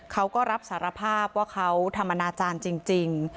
เขาก็รับสารภาพว่าเขาทำอนาจารย์จริง